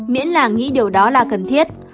miễn là nghĩ điều đó là cần thiết